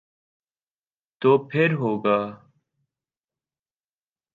تو پھر ہو گا۔